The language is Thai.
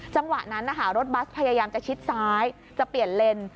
จังหวะนั้นนะคะรถบัสพยายามจะชิดซ้ายจะเปลี่ยนเลน